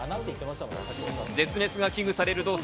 絶滅が危惧される動作。